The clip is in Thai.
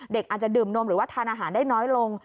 เด็กอาจจะดื่มนมหรือว่าทานอาหารได้น้อยลง